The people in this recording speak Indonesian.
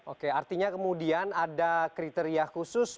oke artinya kemudian ada kriteria khusus